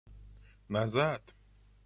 назад